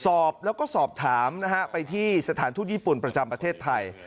สอบแล้วก็สอบถามนะฮะไปที่สถานทูตญี่ปุ่นประจำประเทศไทย